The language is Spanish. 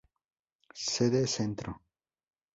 Sede Centro.